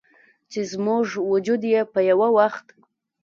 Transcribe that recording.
چې زموږ وجود یې په یوه وخت